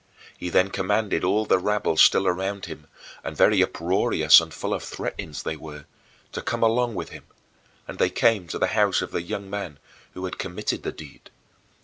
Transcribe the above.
He then commanded all the rabble still around and very uproarious and full of threatenings they were to come along with him, and they came to the house of the young man who had committed the deed.